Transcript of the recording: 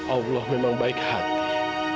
allah memang baik hati